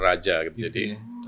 raja gitu jadi